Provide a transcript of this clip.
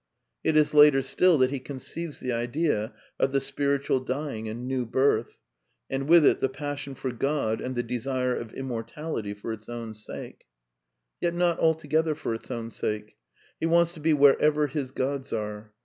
It is later still that he conceives the idea of the spirit ual dying and new birth ; and with it the passion for Qod and the desire of immortality for its own sake. Yet not altogether for its own sake. He wants to be wherever his gods are.